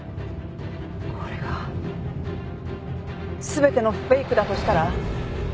これが全てのフェイクだとしたら？